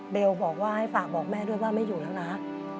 บอกว่าให้ฝากบอกแม่ด้วยว่าไม่อยู่แล้วนะ